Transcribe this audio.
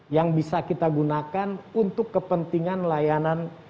yang bisa kita gunakan untuk kepentingan layanan